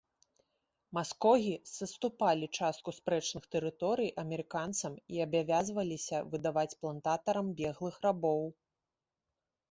Маскогі саступалі частку спрэчных тэрыторый амерыканцам і абавязваліся выдаваць плантатарам беглых рабоў.